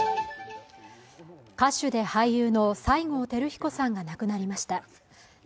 歌手で俳優の西郷輝彦さんが亡くなりました。